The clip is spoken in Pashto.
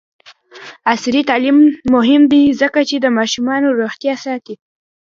عصري تعلیم مهم دی ځکه چې د ماشومانو روغتیا ساتي.